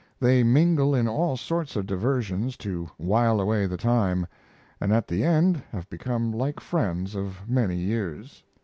They mingle in all sorts of diversions to while away the time; and at the end have become like friends of many years.